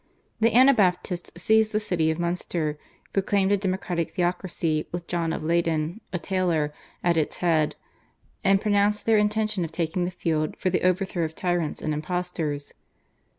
The Anabaptists seized the city of Munster, proclaimed a democratic theocracy with John of Leyden, a tailor, at its head, and pronounced their intention of taking the field for the overthrow of tyrants and impostors.